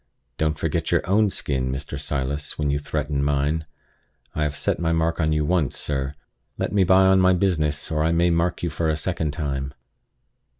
"Don't forget your own skin, Mr. Silas, when you threaten mine! I have set my mark on you once, sir. Let me by on my business, or I may mark you for a second time."